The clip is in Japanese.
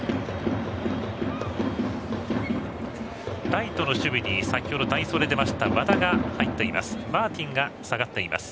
ライトの守備に先ほど代走で出ました和田が入っています。